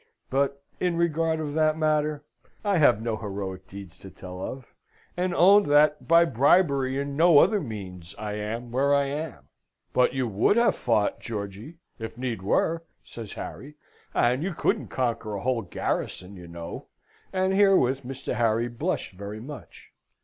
But, in regard of that matter, I have no heroic deeds to tell of, and own that, by bribery and no other means, I am where I am." "But you would have fought, Georgy, if need were," says Harry; "and you couldn't conquer a whole garrison, you know!" And herewith Mr. Harry blushed very much.